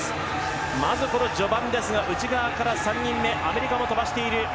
まず、序盤ですが内側から３人目、アメリカも飛ばしている。